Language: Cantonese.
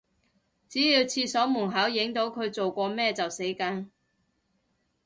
只要廁所門口影到佢做過咩就死梗